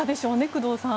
工藤さん。